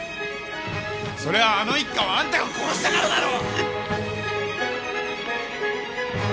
それはあの一家をあんたが殺したからだろ！！